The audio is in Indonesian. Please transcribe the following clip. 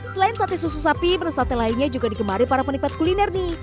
selain sate susu sapi menu sate lainnya juga digemari para penikmat kuliner nih